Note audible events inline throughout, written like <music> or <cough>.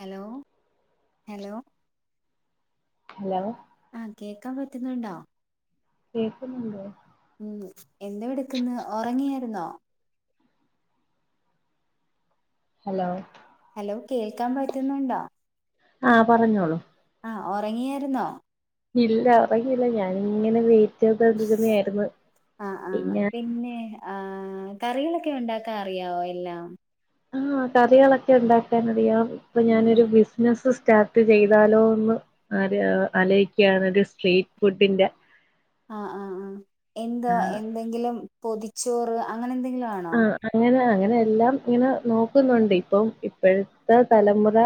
Hello hello hello ആഹ് കേക്കാൻ പറ്റുന്നുണ്ടോ? കേക്കുന്നുണ്ടൊ? ഉം എന്തോവെട്ക്ക്ന്ന്? ഒറങ്ങിയായിരുന്നോ? ഹലോ ഹലോ കേൾക്കാൻ പറ്റുന്നുണ്ടോ? ആഹ് പറഞ്ഞോളൂ ആഹ് ഒറങ്ങിയായിരുന്നോ? ഇല്ല ഒറങ്ങിയില്ല ഞാനിങ്ങനെ വെയിറ്റെയ്തൊണ്ടിര്ന്നതായിരുന്നു പിന്നെ ആഹ് കറികളൊക്കെ ഉണ്ടാക്കാ അറിയാവോ എല്ലാം? ആഹ് കറികളൊക്കെ ഉണ്ടാക്കാനറിയാം ഇപ്പൊ ഉം ഉം ഞാനൊരു ബിസ് ബിസ്നസ്സ് സ്റ്റാർട്ട് ചെയ്താലോന്ന് ആര് അലൈക്കാണത് ഒരു സ്ട്രീറ്റ് ഫുഡിന്റെ ആഹ് ആഹ് ആഹ് എന്താ ആഹ് എന്തെങ്കിലും പൊതിച്ചോറ് അങ്ങനെ എന്തെങ്കിലും ആണൊ? ആഹ് അങ്ങനെ അങ്ങനെ എല്ലാം ഇങ്ങനെ നോക്കുന്നുണ്ട് ഇപ്പം ഇപ്പോഴത്തെ തലമുറ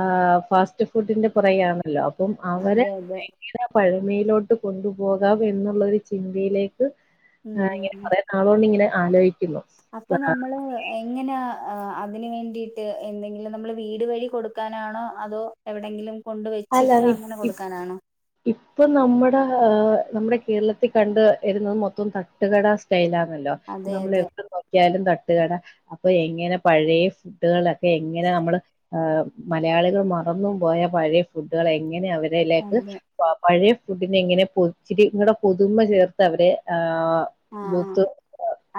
ആഹ് ഫാസ്റ്റ് ഫുഡിന്റെ പുറകെയാണല്ലോ അപ്പം അവരെ അതെ അതെ ഇതാ പഴമയിലോട്ട് കൊണ്ടുപോകാമെന്ന്ള്ളൊരു ചിന്തയിലേക്ക് ഉം ഉം ഞാങ്ങനെ പറയാ ആളോണ്ട്ങ്ങനെ ആലോയ്ക്ക്ന്നു അപ്പ നമ്മള് എങ്ങനാ അതിന്വേണ്ടിട്ട് എന്തെങ്കിലും നമ്മൾ വീട് വഴി കൊടുക്കാനാണോ, അതോ എവ്ടെങ്കിലും അല്ല വി ഇപ് ഇപ്പംനമ്മുട ആഹ് നമ്മുടെ കേരളത്തികണ്ട് വരുന്നത് മൊത്തം തട്ടുകട സ്റ്റൈലാണല്ലോ. അതെ അതെ നമ്മളെവ്ടെ നോക്കിയാലും തട്ട്കട അപ്പൊ എങ്ങനെ പഴയ ഫുഡുകളെക്കെ എങ്ങനെ നമ്മള് ആഹ് മലയാളികൾ മറന്നും പോയ പഴയ ഫുഡുകളെങ്ങനെ അവരെലേക്ക് അതെ പ പഴയ ഫുഡിനെങ്ങനെ പുച്ചിരിങ്ങടെ പുതുമ ചേർത്ത് അവരെ ആഹ് ആഹ് യൂത്ത്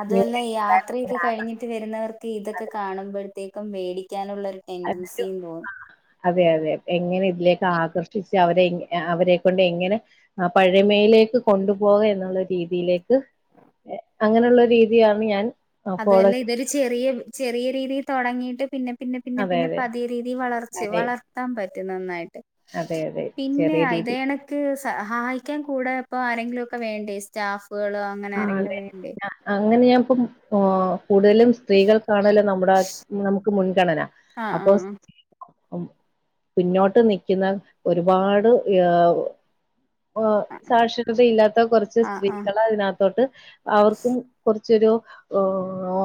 അതുംല്ല യാത്രയൊക്കെ ന്യൂ കഴിഞ്ഞിട്ട് വരുന്നവർക്ക് ഇതൊക്കെ കാണുമ്പോഴ്ത്തേക്കും വേടിക്കാനുള്ളൊരു ടെന്റൻസിയും തോന്നും അതെ അതെ എങ്ങനെ ഇതിലേക്ക് ആകർഷിച് അവരെങ്ങ അവരെകൊണ്ട് എങ്ങനെ ആ പഴമയിലേക്ക് കൊണ്ടുപോക എന്നുള്ളൊരുരീതിയിലേക്ക് അങ്ങനെള്ളൊരീതിയാണ് ഞാൻ ഫോളോ അത്‌വല്ല ചെയ്യ ഇതൊരു ചെറിയ വ് ചെറിയ രീതിയിൽ തൊടങ്ങിയിട്ട് പിന്നെ പിന്നെ പിന്നെ അതെ പിന്നെ അതെ പതിയരീതി വളർച്ച് അതെ വളർത്താൻ പറ്റും നന്നായിട്ട് അതെ അതെ പിന്നെ ചെറിയ രീതി അയ്തെണ് ക്ക് സഹായിക്കാൻ കൂടെപ്പൊ ആരെങ്കിലുംക്കെ വേണ്ടേ സ്റ്റാഫ്കള് അങ്ങനെ ആ ആരെങ്കിലും അതെ വേണ്ടേ? അങ്ങനെ ഞാൻ ഇപ്പം ഓ കൂടുതലും സ്ത്രീകൾക്കാണല്ലോ നമ്മുടെ നമുക്ക് മുൻഗണന ആഹ് അപ്പൊ ആഹ് ഉ പിന്നോട്ട് നിക്കുന്ന ഒരുപാട് യാ ആഹ് സാക്ഷരതയില്ലാത്ത കുറച്ച് ആഹ് ആഹ് സ്ത്രീകളെ അതിനക തോട്ട് അവർക്കും കുറചൊരു ഓ ഓ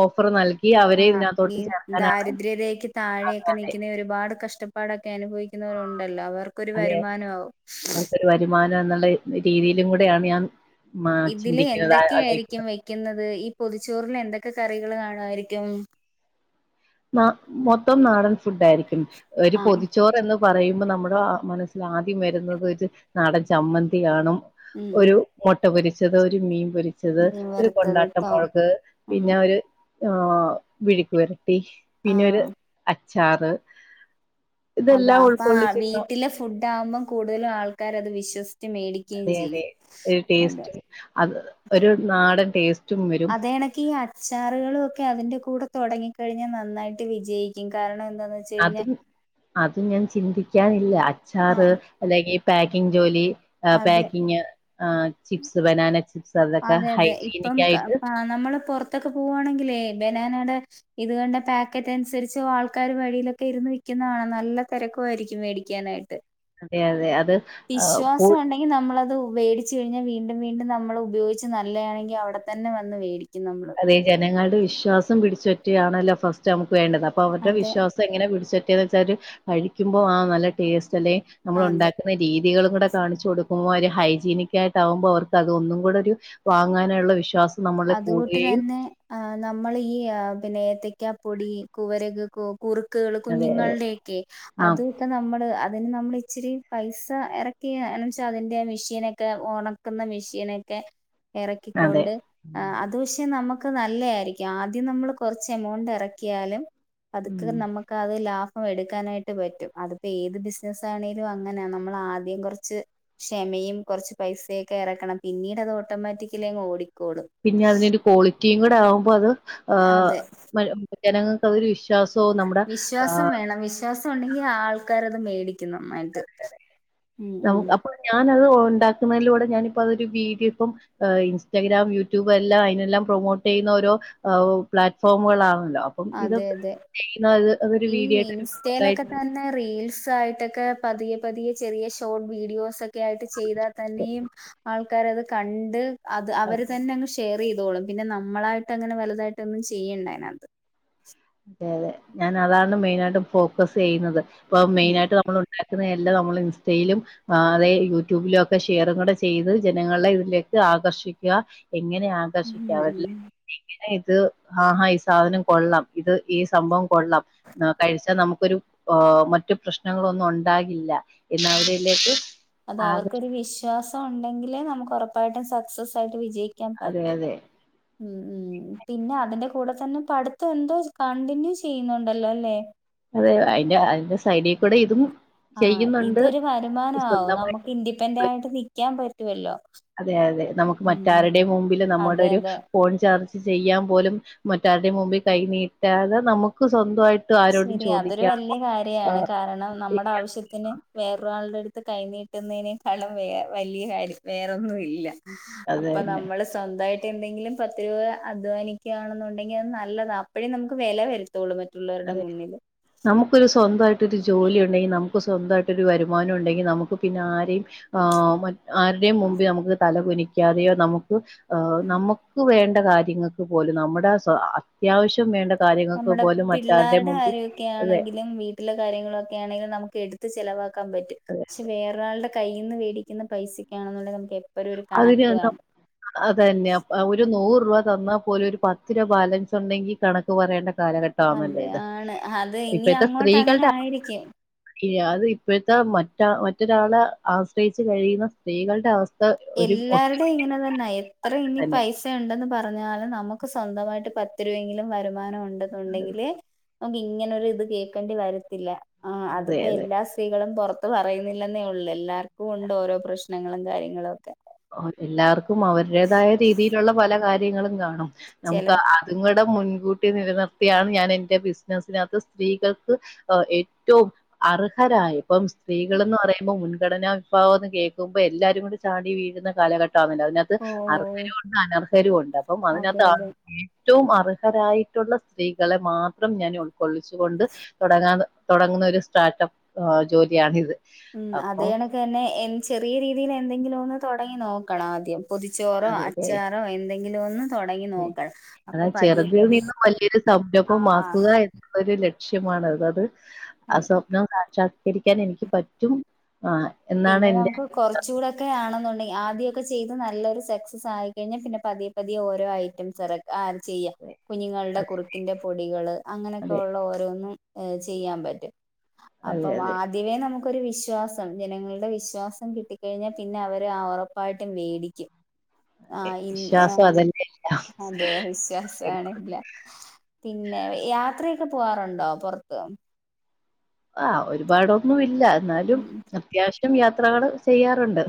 ഓഫർ നൽകി അവരെ ആഹ് ഈ ഇതിനകത്തോട്ട് ചേർക്കാനാണ് ദാരിദ്ര്യരേഖക്ക് താഴെയൊക്കെ അതെ നിക്കുന്ന ഒരുപാട് കഷ്ട പ്പാടൊക്കെ അനുഭവിക്കുന്നവരുണ്ടല്ലോ അവർക്കൊരു അതെ വരുമാനമാവും. അവർക്കൊരു വരുമാനം എന്നുള്ള രീതിയിലും കൂടെയാണ് ഞാൻ ചിന്തിക്കുന്നത് ആലോ ക്കിന്നത് ഈ പൊതിച്ചോറന് എന്തൊക്കെ കറികൾ കാണുവായിരിക്കും മ മൊത്തം നാടൻ ഫുഡയിരിക്കും ഒരു ആഹ് പൊതിച്ചോറ് എന്ന് പറയുമ്പോ നമ്മുടെ മനസ്സിൽ ആദ്യം വരുന്നത് ഒരു നടൻ ചമ്മന്തികാണു ഉം ഉം ഒരു മൊട്ട പൊരിച്ചത് ഒരു മീൻ പൊരിച്ചത് മീൻ ഒരു വറുത്തത് കൊണ്ടാട്ട ട്ടോ മുളക് ഉം പിന്നെ ഒരു ആഹ് മിഴുക്ക് വരട്ടി പിന്നെ ഒരു ആഹ് അച്ചാറ് അതാ ഇതെല്ലാം അപ്പൊ ഉൾക്കൊള്ളിച്ചന്ന വീട്ടിലെ ഫുഡ് ആകുമ്പം കൂടുതലും ആൾക്കാരത് വിശ്വസിച്ച് മേടിക്കും അതെ അതെ ഒരു ടേസ്റ്റ് അത് ഒരു നാടൻ ടേസ്റ്റ് അതെണക്കി ചാറുകളും ഒക്കെ അതിന്റെ കൂടെ തൊടങ്ങി കഴിഞ്ഞാൽ നന്നായിട്ട് വിജയിക്കും കാരണം എന്താന്ന് വെച്ചാൽ അതും അതും ഞാൻ ചിന്തിക്കാനില്ല അച്ചാറ് ആഹ് അല്ലങ്കി പാക്കിങ് ജോലി അതെ പാക്കിങ് ചിപ്സ് ബനാന ചിപ്സ് അതൊക്കെ അതെ അതെ ഇപ്പം ഹൈജീനക് ക ആയിട്ട് പ നമ്മള് പൊറത്തൊക്കെ പോവാണെങ്കിലെ ബനാനയുടെ <unintelligible> ഇത്കണ്ട് പാക്കറ്റ് അനുസരിച്ച് ആൾക്കാര് വഴിയിലൊക്കെ ഇരുന്ന് വിക്കുന്നത് കാണാം നല്ല തെരക്കായിരിക്കും മേടിക്കാനായിട്ട് അതെ അതെ അത് പോൾ വിശ്വാസണ്ടഗീ ങ്‌ നമ്മളത് വേടിച്ച് കഴിഞ്ഞാൽ വീണ്ടും വീണ്ടും നമ്മൾ ഉപയോഗിച്ച് നല്ലതയാണെങ്കിൽ അവിടെ തന്നെ വന്ന് വേടിക്കും നമ്മള് അതേ ജനങ്ങളുടെ വിശ്വാസം പിടിച്ചൊറ്റിയാണല്ലോ ഫസ്റ്റ് നമുക്ക് വേണ്ടത് അപ്പൊ അവരുടെ അതെ വിശ്വാസം നി എങ്ങനെ പിടിച്ചട്ടെന്ന് വെച്ചാല് കഴിക്കുമ്പോ ആ നല്ല ടേസ്റ്റ് അല്ലെ നമ്മൾ അതെ ഉണ്ടക്ക രീതികളും കൂടെ കാണിച്ചു കൊടുക്കുമ്പോൾ ഹൈജീനിക്കായിട്ട് ആകുമ്പോൾ അവർക്ക് അതൊന്നുകൂടെ ഒരു വാങ്ങാനുള്ള വിശ്വാസം നമ്മളെ കൂട്ടു ട്ടും തന്നെ് നമ്മൾ ഈ പിന്നെ ഏത്തക്ക പൊടി കുവരക കുറുക്കുകള് അതെ അതെ കുഞ്ഞുങ്ങളുടെക്കെ ആഹ് അത് ഒക്കെ നമ്മള് അതിന് നമ്മള് ഇച്ചിരി പൈസ എറക്കിയ വെച്ചാൽ അതിൻറെ മെഷീനൊക്കെ ഓണം കുന്ന മെഷീനൊക്കെ അതെ എറക്കിക്കൊണ്ട്അത് അത് പക്ഷേ നമുക്ക് നല്ലയിരിക്കാം ആദ്യം നമ്മൾ കുറച്ച് എമൗണ്ട് എറക്കിയാലും അത്ക്ക് ഉം നമ്മക്ക് ക്ക അത് ലാഭം എട്ക്കാനായിട്ട് പറ്റും. അത്പ്പോ ഏത് ബിസിനസ്സാണേലും അങ്ങനെയ. നമ്മള് ആദ്യം കൊറച്ച് ക്ഷമയും കൊറച്ച് പൈസയൊക്കെ എറക്കണം. പിന്നീടത് ഓട്ടോമാറ്റിക്കലി അങ്ങ് ഓടിക്കോളും. പിന്നെ അതിനെരു ക്വാളിറ്റിയും കൂടെ ആവുമ്പോ അത് ആഹ് അതെ മ ജനങ്ങൾക്ക് അതൊരു വിഷ ദസോ നമ്മുടെ ആഹ് യാസോ ണ്ടെങ്കി ആൾക്കാരത് മേടിക്കണം അത് നവൊ അപ്പൊ ഞാനത് ഉണ്ടാക്കുന്നതിലൂടെ ഞാനിപ്പ അതൊരു വീതിയപ്പം ഹ് ഇൻസ്റ്റഗ്രാം യൂട്യൂബ് എല്ലാ അയിനെല്ലാം പ്രൊമോട്ട് ചെയ്യുന്ന ഓരോ ആഹൊ! പ്ലാറ്റ്ഫോമുകളാണല്ലോ അപ്പം അതെ ഇതൊക്കെ അതെ ചെയ്യുന്നത് അതൊരു വീഡിയായിട്ട് <inaudible> ന്ന റീൽസ് ആയിട്ടൊക്കെ പതിയ പതിയ ചെറിയ ഷോർട്ട് വീഡിയോസ് ഒ ക്കെയായിട്ട് ചെയ്താൽ തന്നെയും ആൾക്കാരത് കണ്ട് അത് അവർ തന്നെ അങ്ങ് ഷെയർ ചെയ്തോളും. പിന്നെ നമ്മളായിട്ട അങ്ങനെ വലതായിട്ട ഒന്നും ചെയ്യണ്ട അതിനകത്ത് അതെ അതെ. ഞാൻ അതാണ് മെയിന ആയിട്ട് ഫോക്കസ് ചെയ്യുന്നത്. പ്പൊ ഉം മെയിനായിട്ട് നമ്മള് <unintelligible> ക്കുന്നതല്ലാം നമ്മള് ഇൻസ്റ്റയിലും ആ, തെ യൂട്യൂബിലൊക്കെ ഷെയറ് കൂടെ ചെയ്ത് ജനങ്ങളെ ഇതിലേക്ക് ആകർഷിക്ക. എങ്ങനെ ഉം ആകർഷിക്കാം ഉം അല്ലെ. എങ്ങനെ ഇത് ആഹാ! ഈ സാധനം കൊള്ളാം ഇത് ഈ സംഭവം കൊള്ളാം ന്നാ കഴിച്ചാ നമ്മുക്കൊരു ഓ, മറ്റു പ്രശ്നങ്ങളൊന്നും ഒണ്ടാകില്ല എന്നാവരിയിലേക്ക് അത അവർക്കൊരു വിശ്വാസ ഉ ണ്ടെങ്കിലേ നമുക്ക് ഒറപ്പായിട്ടും സക്സസ് ആയിട്ട് വിജയി ക്കാൻ അതെ പറ്റു അതെ ഉം, ഉം പിന്നെ അതിന്റെ കൂടെ തന്നെ പഠിത്തം എന്തോ കണ്ടിന്യൂ ചെയ്യുന്നുണ്ടല്ലോ. ല്ലേ അതെ, അയ്ന്റെ അയ്ന്റെ സൈഡി കൂടെ ഇതും ആഹ്, ചെയ്യുന്നുണ്ട് ഇതൊരു വരുമാനമാവും സ്വന്തമായി നമ്മുക്ക്‌ ഇന്റിപെന്റായിട്ട് നിക്കാൻ പറ്റുവല്ലോ അതെ, അതെ. നമുക്ക് ഉം മറ്റാരുടെം മുമ്പില് നമ്മൾടെ അതെ ഒരു അതെ ഫോൺ ചാർജ് ചെയ്യാൻ പോലും മറ്റാരുടെ മുമ്പിൽ കൈ നീട്ടാതെ നമുക്ക് സ്വന്തായി ശരിയാ, അതൊരു വല്ല്യ കാര്യാണ്. കാരണം നമ്മടെ ആവശ്യ ത്തിന് വേറൊരാളുടെടുത്ത് കൈ നീട്ടുന്നയ്നേക്കാളും വേ വല്ല്യ കാര്യം വേറൊന്നും ഇല്ല അതെ അപ്പ തന്നെ നമ്മള്സ് സ്വന്തായിട്ട് എന്തെങ്കിലും പത്ത് രൂപ അധ്വാനിക്ക ആണെന്നുണ്ടെങ്കി അത് നല്ലതാ. അപ്പോഴേ നമുക്ക് വെല വരുതൊള്ളൂ. മറ്റുള്ള അതെ നമുക്കൊരു സ്വന്തായിട്ടൊരു ജോലി ഉണ്ടെങ്കി നമുക്ക് സ്വന്തായിട്ട് ഒരു വരുമാനം ഉണ്ടെങ്കി നമുക്ക് പിന്നെ ആരേയും ആഹ്, മ ആരുടെം ആ മുമ്പ്‌ല് നമുക്ക് തല കുനിക്കാതെയോ നമുക്ക് ഏഹ്, നമുക്ക്‌ വേണ്ട കാര്യങ്ങക്ക് പോലും നമ്മുടെ സ അത്യാവശ്യം വേണ്ട കാര്യങ്ങക്ക് പോലും മ പിള്ളാരുടെ കാര്യൊക്കെ ആണെങ്കിലും വീട്ടിലെ കാര്യങ്ങളൊക്കെ ആണെങ്കിലും നമുക്കെട്ത് ത്ത് ചെലവാക്കാൻ പറ്റും. അതെ ക്ഷെ വേറരാളുടെ കയ്യിന്ന് വേടിക്കുന്ന പൈസക്കാണെന്നുള്ള നമുക്ക് എ അതിന് എന്തപ് അത്‌ തന്നെ, അ ഒരു നൂറ് രൂപ തന്നാ പോലും ഒരുപത്ത് രൂപബാലൻസ് ഉണ്ടെങ്കി കണക്ക് പറയേണ്ട കാലഘ അതെ കാമല്ലേത്. ആണ് അത് ഇനി ഇപ്പഴ്ത്തെ അങ്ങോട്ട് അങ്ങനെ സ്ത്രീകൾടെ ആയിരിക്കും ഇയെ.. അത് ഇപ്പഴത്തെ മറ്റ മറ്റൊരാളെ ആശ്രയിച്ചു കഴിയുന്ന സ്ത്രീകള്ടെ അവസ്ഥ ഒരു ഒട്ടും എല്ലാരുടെ ഇങ്ങനെ തന്നാ. എത്ര ഇനി തന്നെ പൈസ ത്തെ ഉണ്ടെന്ന് പറഞ്ഞാല് നമുക്ക് സ്വന്തമായിട്ട് പത്ത് രൂപയെങ്കിലും വരുമാനം ഉണ്ടെന്നുണ്ടെങ്കില് <unintelligible> മ്പി ഇങ്ങനെ ഒരു ഇത് കേക്കണ്ടിവരത്തില്ല. ആ അതെ, അതിപ്പോ അതെ. എല്ലാ സ്ത്രീകളും പുറ ത്ത് പറയുന്നില്ലെന്നേ ഒള്ളൂ. എല്ലാർക്കും ഉണ്ട് ഓരോ പ്രശ്നങ്ങളും കാര്യങ്ങളു ഒക്കെ ഓഹ്, എല്ലാവർക്കും അവരുടേതായ രീതിയിലുള്ള പല കാര്യങ്ങളും കാണും. നമുക്ക് അ ചിലർക്ക് അതും കൂടെ മുൻകൂട്ടി നിലനിർത്തിയാണ് ഞാൻ എന്റെ ബിസിനസിനകത്ത് സ്ത്രീകൾക്ക് ഓഹ്, ഏറ്റവും അർഹരായ ഇപ്പം സ്ത്രീകള്ന്ന് പറയുമ്പോ മുൻഗണനാ വിഭാവംന്ന് കേൾക്കുമ്പോ എല്ലാരും കൂടി ചാടി വീ <unintelligible> ക്ന്ന കാലഘട്ടാണ് എല്ലാരും. അതിനകത്ത് ഓ അർഹരുണ്ട്, അനർഹരുണ്ട്. അപ്പം അതെ അതിനകത്ത് അതെ ഏറ്റവുംഅർഹരായിട്ടുള്ളസ്ത്രീകളെ മാത്രംഞാൻഉൾക്കൊള്ളിച്ചുകൊണ്ട് തുടങ്ങാതെതുടങ്ങുന്നഒരുസ്റ്റാർട്ടപ്പ് ജോലിയാണിത് ഉം അപ്പം അതെയണകന്നെഎൻ ചെറിയരീതിയിൽ എന്തെങ്കിലും ഒന്ന് തുടങ്ങിനോക്കണംആദ്യം അതെ, അതെ. പൊതിച്ചോറോഅച്ചാറോഎന്തെങ്കിലും ഒന്ന് തൊടങ്ങി നോക്കണം അതാ അപ്പൊ പതിയെ പതിയെ ചെറുതിൽനിന്നുംവല്യൊരു ആഹ് സംരംഭമാക്കുകഎ അതൊരു ലക്ഷ്യമാണ്അതത് ആ അതെ സ്വപ്നംസാക്ഷ രിക്കാൻഎനിക്ക്പറ്റും ആ എന്നാണ് പിന്നെ എന്റെ നമുക്ക്കുറച്ചുകൂടൊക്കെ ആണെന്നുണ്ടെങ്കിആദ്യക്കെ ചെയ്ത് നല്ലൊരു സക്സസ് ആയികഴിഞ്ഞാ പിന്നെപതിയെ പതിയെഓരോഐറ്റംസ്ഇറക്കാം ആ ചെയ്യാം ആഗ്രഹം. കുഞ്ഞുങ്ങളുടെ കുറുക്കിന്റെ പൊടികള് അതെ അങ്ങനൊക്കെഉള്ള ഓരോന്ന് അതെ അതെ ഏചെയ്യാൻപറ്റുംഅപ്പംആദ്യമേ നമുക്കൊരു വിശ്വാസം ജനങ്ങളുടെ വിശ്വാസം കിട്ടിക്കഴിഞ്ഞാൽപിന്നെഅവര്ആഉറപ്പായിട്ടുംവേടിക്കും വിശ്വാസം അതല്ലേ എല്ലാം അതെവിശ്വാസം ആണെല്ലാം പിന്നെ യാത്രയൊക്കെ പോവാറുണ്ടോ പൊറത്ത്? ആഹ് ഒരുപാടൊന്നുല്ല ന്നാലും അത്യാവശ്യം യാത്രകള് ചെയ്യാറുണ്ട്.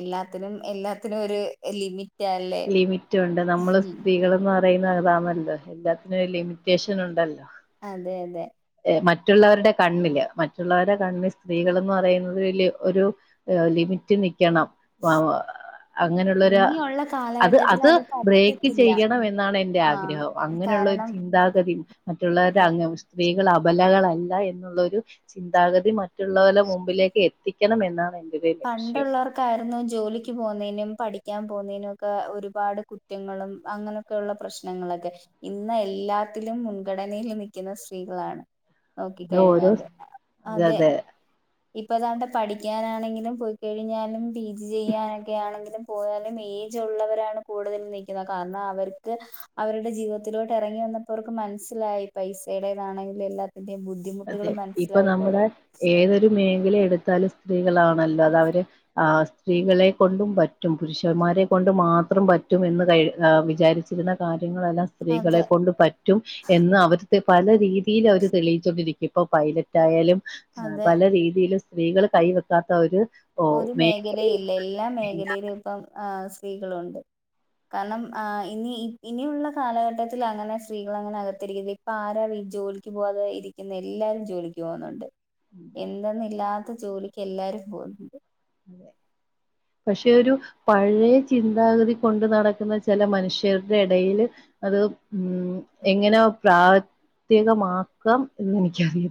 എല്ലാത്തിനും എല്ലാത്തിനൊരു ലിമിറ്റ് അല്ലേ ലിമിറ്റുണ്ട് നമ്മള് സ്ത്രീകൾന്ന പറയുന്ന അതാണല്ലോ എല്ലാത്തിനൊരു ലിമിറ്റേഷനുണ്ടല്ലോ. അതെ അതെ. എഹ് മറ്റുള്ളവരുടെ കണ്ണില് മറ്റുള്ളവരുടെ കണ്ണില് സ്ത്രീകൾന്ന് പറയുന്നത് വല്ല്യ ഒരു ഏഹ് ലിമിറ്റി നിക്കണം വാവ അങ്ങനെയുള്ളൊര ഇനിയുള്ള അത് കാലഘട്ടത്തിൽ അത് ബ്രേക്ക് പറ്റത്തില്ല ചെയ്യണം എന്നാണ് എന്റെ ആഹ് ആഗ്രഹം. അങ്ങനെയുള്ളൊരു കാരണം ചിന്താഗതി മറ്റുള്ളവരുടെ അതെ അങ് സ്ത്രീകൾ അപലകളല്ല എന്നുള്ളൊരു ചിന്താഗതി മറ്റുള്ളോലെ മുമ്പിലേക്ക് എത്തിക്കണമെന്നാണ് എന്നാണെ പണ്ടുള്ളർ ക്കാരുന്നു ജോലിക്ക് പോന്നീനും പഠിക്കാൻ പോന്നീനൊക്കെ ഒരുപാട് കുറ്റങ്ങളും അങ്ങനൊ ക്കൊള്ള പ്രശ്നങ്ങളൊക്കെ ഇന്നെല്ലാത്തിലും മുൻഗടനേല് നിൽക്കുന്ന സ്ത്രീകളാണ്. അത് ഓരോ നോക്കിക്കഴിഞ്ഞാല് അത് അതെ ഇപ്പൊതാണ്ട് പഠിക്കാനാണെങ്കി പോയിക്കഴിഞ്ഞാലും പി ജി ചെയ്യാനൊക്കെ ആണെങ്കിലും പോയാലും ഏജുള്ളവരാണ് കൂടുതലും നിക്കുന്നെ കാരണം അവർക്ക് അവരുടെ ജീവിതത്തിലോട്ട് എറങ്ങി വന്ന പ്പവർക്ക് മനസ്സിലായി പൈസേടേതാണെങ്കിൽ എല്ലാത്തിൻ്റെം ബു അതെ ഇപ്പൊ നമ്മുടെ ഏതൊരു മേഖലെടുത്താലും സ്ത്രീകളാണല്ലോ അതവര് ആഹ് സ്ത്രീകളെ കൊണ്ടും പറ്റും പുരുഷന്മാരെ കൊണ്ടും മാത്രം പറ്റും എന്ന് കയ് വിചാരിച് യ്ണ കാര്യങ്ങളെല്ലാം സ്ത്രീകളെ അതെ കൊണ്ട് പറ്റും എന്ന് അവർത് പല രീതീലവര് തെളിയി ച്ചോണ്ടിരിക്കും. ഇപ്പൊ പൈലറ്റായാലും അതെ പല രീതിലും സ്ത്രീകൾ കൈ വെക്കാത്താ ഒരു ഓ ഒരു മേഖലേ ഇല്ല എല്ലാ മേഖലയില്ല. മേഖലയിലുപ്പോ ആഹ് സ്ത്രീകളുണ്ട്. കാരണം ആഹ് ഇനി ഇനിയുള്ള കാലഘട്ടത്തിലങ്ങനെ സ്ത്രീകളങ്ങനെ അകത്തിരിക്കതി ഇപ്പാരാ ഇ ജോലിക്ക് പോവാതെ ഇരിക്കുന്നെ എല്ലാരും ജോലിക്ക് പോവുന്നുണ്ട്. എന്തെന്നില്ലാത്ത ജോലിക്കെല്ലാരും പോകുന്നു. തെ പക്ഷെ ഒരു പഴയ ചിന്താഗതി കൊണ്ട് നടക്കുന്ന ചെല മനുഷ്യരുടെ എടയില് അത് മ് എങ്ങനെ പ്രാവത്തികമാക്കാം എന്നെനൻക്കറി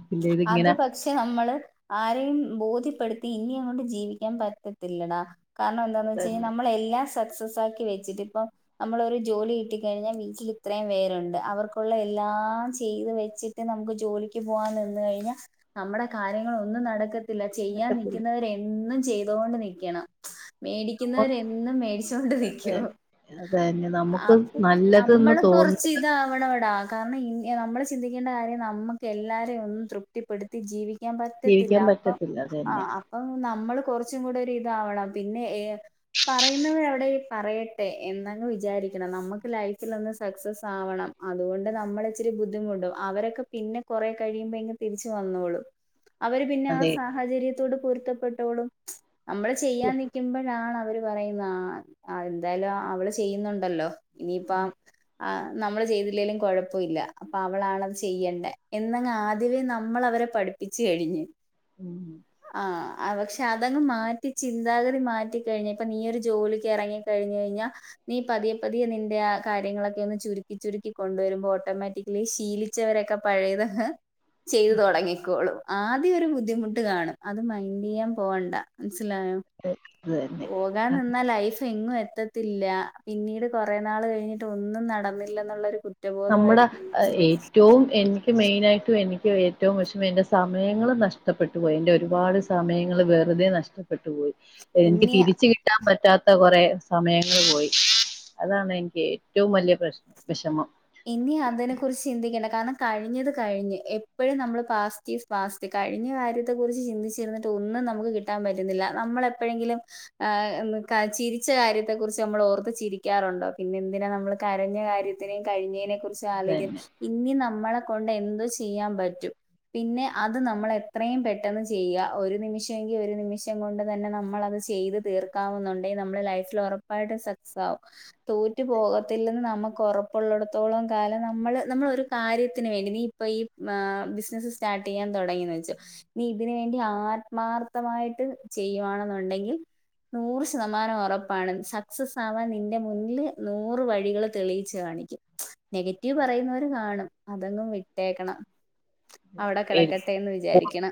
അത് പ പക്ഷെ നമ്മള് ആരെയും ബോധ്യപ്പെടുത്തി ഇനി അങ്ങോട്ട് ജീവിക്കാൻ പറ്റത്തില്ലടാ. കാരണം എന്താന്ന് വെച്ചഴിഞ്ഞ അതന്നെ നമ്മളെല്ലാം സക്സസ് ആക്കി വെച്ചിട്ടിപ്പൊ നമ്മളൊരു ജോലി കിട്ടി കഴിഞ്ഞാ വീട്ടിലിത്രംയും പേരുണ്ട് അവർക്കുള്ള എല്ലാം ചെയ്ത് വെച്ച് നമുക്ക് ജോലിക്ക് പോകാൻ ന്നു കഴിഞ്ഞ നമ്മുടെ കാര്യങ്ങളൊന്നും നടക്കത്തില്ല ചെയ്യാൻ നടക്കത്തില്ല നിക്കുന്നവരെന്നു ചെ തോണ്ട് നിക്കണം. മേടി ക്കുന്നവരെന്നും മേടിച്ചൊണ്ടിരിക്കൂ അതന്നെ നമുക്ക് അപ്പം നമ്മൾ നല്ലതെന്ന് കൊറച്ച്. തോന്നുന്നു ഇതാവ്‌ണോട കാരണം ഇൻ നമ്മൾ ചിന്തിക്കേണ്ട കാര്യം നമുക്ക് എല്ലാരൊന്ന് ഒന്നു തൃപ് ത്തിപ്പെടുത്തി ജീവിക്കാൻ പറ്റത്തില്ല ജീവിക്കാൻ അപ്പ പറ്റത്തില്ല അതന്നെ ആഹ് ആഹ് പ്പം നമ്മള് കൊറച്ചും കൂടെ ഒരിതാവണം പിന്നെ ഏഹ് പറയുന്നവരവിടെ പറയട്ടെ എന്നങ്ങ് വിചാരിക്കണം. നമുക് ലൈഫിൽ ഒന്ന് സക്സസ് ആവണം അതുകൊണ്ട് നമ്മൾ ത്തിരി ബുദ്ധിമുട്ടും അവരൊക്കെ പിന്നെ കൊറേ കഴിയുമ്പോള് തിരിച്ചു വന്നോളും അവര് പിന്നെ ആ അതെ സാഹചര്യത്തോട് പൊരുത്തപ്പെട്ടോളും നമ്മള് ചെയ്യാൻ നിക്കുമ്പോഴാണ് അവര് പറയുന്ന ആഹ് അ എന്തായാലും അവള് ചെയ്യുന്നുണ്ടല്ലോ. ഇനിയിപ്പം ആ നമ്മള് ചെയ്തില്ലെലും കൊഴപ്പുല്ല അപ്പൊ അവളാണത് ചെയ്യണ്ടേ. എന്നങ് ആദ്യമേ നമ്മളവരെ പഠിപ്പിച്ചു കഴിഞ്ഞു ഉം ആഹ് അ പക്ഷെ അതങ്ങ് മാറ്റി ചിന്താഗതി മാറ്റിക്കഴിഞ്ഞ് ഇപ്പ നീയൊരു ജോലിക്കെറങ്ങി കഴിഞ്ഞഴിഞ നീ പതിയെ പതിയെ നിന്റെ ആ കാര്യങ്ങളൊക്കെ ഒന്ന് ചുരുക്കി ചുരുക്കി കൊണ്ടുവരുമ്പോ ഓട്ടോമേറ്റിക്കലി ശീലി ച്ചവരൊക്കെ പഴയതങ്ങ് ചെയ്തൊടങ്ങിക്കോളും ആദ്യം ഒരു ബുദ്ധിമുട്ട് കാണും അത് മൈന്റെയ്യാൻ പോവണ്ട മനസ്സിലായോ അത് അത് പോകാൻ തന്നെ നിന്നാ ലൈഫ് എങ്ങും എത്ത ത്തില്ല പിന്നീട് കുറേ നാൾ കഴിഞ്ഞിട്ട് ഒന്നും നടന്നില്ലന്നുള്ളൊരു കു നമ്മുടെ ഏറ്റവും എ മെയിനായിട്ടും എനിക്ക് ഏറ്റവും വെശമ്മം എൻ്റെ സമയങ്ങൾ നഷ്ടപ്പെട്ടു പോയി എന്റെ ഒരുപാട് സമയങ്ങൾ വെറുതെ നഷ്ട ഷ്ടപ്പെട്ടു പോയി എനിക്ക് ഇനി തിരിച്ച് കിട്ടാൻ പറ്റാത്ത കുറെ സമയങ്ങൾ പോയി അതാണ് എനിക്ക് ഏറ്റവും വലിയ പ്രശ് വിഷമം ഇനി അതിനെ കുറിച്ച് ചിന്തിക്കേണ്ട കാരണം കഴിഞ്ഞത് കഴിഞ്ഞ് എപ്പോഴും നമ്മൾ പാസ്റ്റീസ് പാസ്റ്റ് കഴിഞ്ഞ കാര്യത്തെ കുറിച്ച് ചിന്തിച്ചിരുന്നിട്ട് ഒന്നും നമുക്ക് കി ട്ടാൻ പറ്റുന്നില്ല നമ്മളെ എപ്പഴെങ്കിലും ആ ചിരിച്ച കാര്യത്തെ കുറിച്ച് നമ്മൾ ഓർത്ത് ചിരിക്കാറുണ്ടോ പിന്നെന്തിനാ നമ്മൾ കരഞ്ഞ കാര്യത്തിനേ കഴിഞ്ഞതിനെ കുറിച്ച് ആലോയ്ക്കാൻ തന്നെ ഇന്നി നമ്മളെ കൊണ്ട് എന്തു ചെയ്യാൻ പറ്റും പിന്നെ അത് നമ്മൾ എത്രയും പെട്ടെന്ന് ചെയ്യ ഒരു നിമിഷമെങ്കി ഒരു നിമിഷം കൊണ്ട് തന്നെ നമ്മൾത് ചെയ്ത് തീർക്കാവുന്നുണ്ടെ നമ്മൾ ലൈഫിൽ ഉറപ്പായിട്ടും സക്സാകും തോറ്റു പോകത്തില്ലെന്ന് നമ്മക്കോറ ഉള്ളടത്തോളം കാലം നമ്മള് നമ്മളോരു കാര്യത്തിന് വേണ്ടി നീ ഇപ്പ ഈ ബിസിനസ്സ് സ് സ്റ്റാർട്ട് ചെയാൻ തുടങ്ങിന്ന് വചോ നീ ഇതിന് വേണ്ടി ആത്മാർത്ഥമായിട്ട് ചെയ്യുവാണെന്നുണ്ടെങ്കിൽ നൂറ് ശതമാനം ഉറപ്പാണ് സക്സസ് ആവാൻ നിന്റെ മുന്നില് നൂറ് വഴികള് തെളിയിച്ചു കാണിക്കും നെഗറ്റീവ് പറയുന്നവര് കാണും അതങ് വിട്ടേക്കണം അവിടെ കിടക്ക ട്ടെന്ന് വിചാരിക്കണം